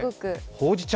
ほうじ茶